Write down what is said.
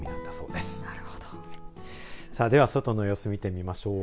では、外の様子見てみましょう。